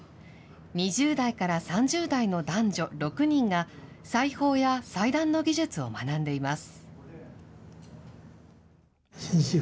２０代から３０代の男女６人が、裁縫や裁断の技術を学んでいます。